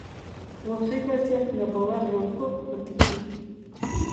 واقعي وضعيت ناباور لارښود پاتې کېږي.